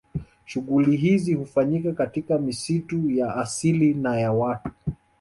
Shughuli hizi hufanyika katika misitu ya asili na ya watu